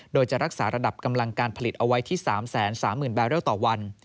โดยจะรักษาระดับกำลังการผลิตเอาไว้ที่๓๓๐๐๐แบเรลต่อวัน